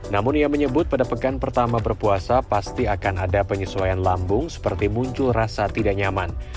namun ia menyebut pada pekan pertama berpuasa pasti akan ada penyesuaian lambung seperti muncul rasa tidak nyaman